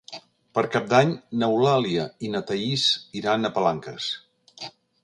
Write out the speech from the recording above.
Per Cap d'Any n'Eulàlia i na Thaís iran a Palanques.